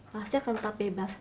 pasti akan tetap bebas